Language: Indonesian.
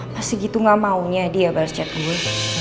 masih gitu gak maunya dia bales cat gue